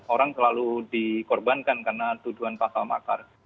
orang selalu dikorbankan karena tuduhan pasal makar